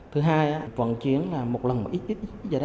thứ hai vận chuyển một lần một ít